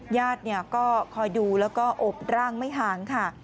ญาติก็คอยดูแล้วก็อบร่างไม่ห่างค่ะ